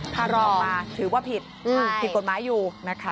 ถ้ารอมาถือว่าผิดผิดกฎหมายอยู่นะคะ